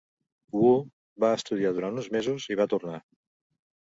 Wu va estudiar durant uns mesos i va tornar.